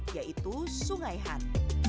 yaitu sungai han